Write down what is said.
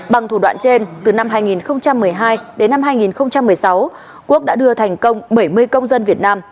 bằng thủ đoạn trên từ năm hai nghìn một mươi hai đến năm hai nghìn một mươi sáu quốc đã đưa thành công bảy mươi công dân việt nam